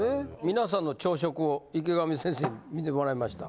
皆さんの朝食を池上先生に見てもらいました。